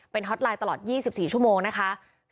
ฮอตไลน์ตลอด๒๔ชั่วโมงนะคะ